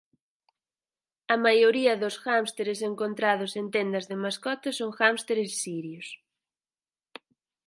A maioría dos hámsteres encontrados en tendas de mascotas son hámsteres sirios.